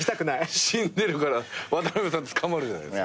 死んでるから渡辺さん捕まるじゃないっすか。